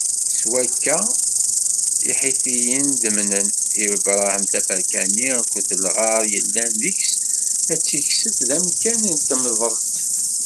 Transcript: S wakka, Iḥitiyen ḍemnen i Abṛaham taferka-nni akked lɣar yellan deg-s, ad t-ikseb d amkan n temḍelt.